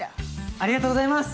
ありがとうございます。